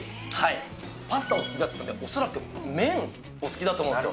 パスタお好きだと言ってたんで、恐らく麺はお好きだと思うんですよ。